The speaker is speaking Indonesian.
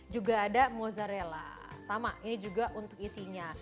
juga ada mozzarella sama ini juga untuk isinya